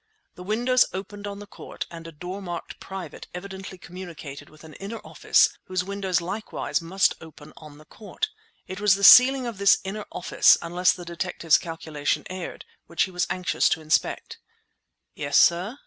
The windows opened on the court, and a door marked "Private" evidently communicated with an inner office whose windows likewise must open on the court. It was the ceiling of this inner office, unless the detective's calculation erred, which he was anxious to inspect. "Yes, sir?"